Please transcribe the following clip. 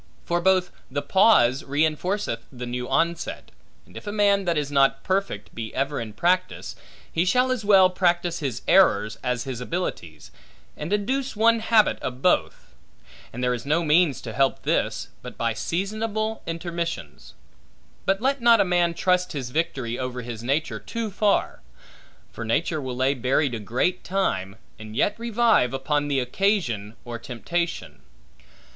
For both the pause reinforceth the new onset; and if a man that is not perfect, be ever in practice, he shall as well practise his errors, as his abilities, and induce one habit of both; and there is no means to help this, but by seasonable intermissions. But let not a man trust his victory over his nature, too far; for nature will lay buried a great time, and yet revive, upon the occasion or temptation.